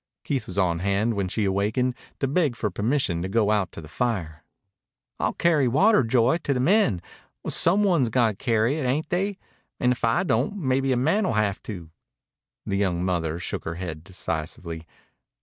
Keith was on hand when she awakened to beg for permission to go out to the fire. "I'll carry water, Joy, to the men. Some one's got to carry it, ain't they, 'n' if I don't mebbe a man'll haf to." The young mother shook her head decisively.